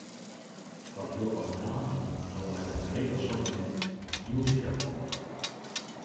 Foar jo as dame hawwe wy in breed assortimint jûnsjaponnen.